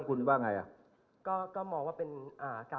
กลัวข้อชนิดหน่อย